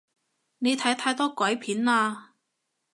你睇太多鬼片喇